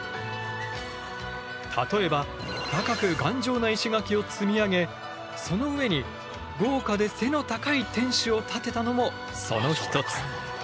例えば高く頑丈な石垣を積み上げその上に豪華で背の高い天主を建てたのもその一つ。